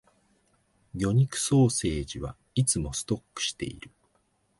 魚肉ソーセージはいつもストックしている